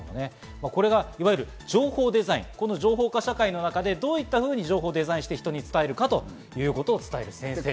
これが情報デザイン、情報化社会の中でどういったふうに情報をデザインして人に伝えるかということを伝える先生。